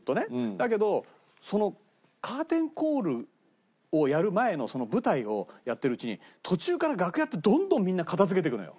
だけどカーテンコールをやる前の舞台をやってるうちに途中から楽屋ってどんどんみんな片付けていくのよ。